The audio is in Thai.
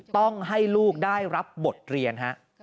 ต้องให้ลูกได้รับบทเรียนฮะ